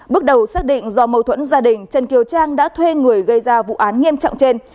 bước đầu xác định do mâu thuẫn gia đình trần kiều trang đã thuê người gây ra vụ án nghiêm trọng trên